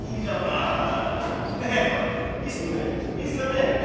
いいっすよねえ。